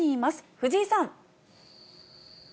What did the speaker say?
藤井さん。